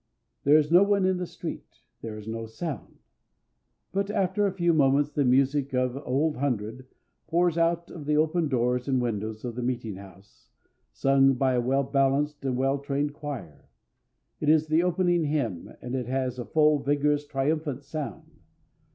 There is no one in the street. There is no sound. But after a few moments the music of "Old Hundred" pours out of the open doors and windows of the meeting house, sung by a well balanced and well trained choir. It is the opening hymn, and it has a full, vigorous, triumphant sound.